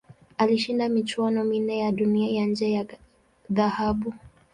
Alishinda michuano minne ya Dunia ya nje ya dhahabu.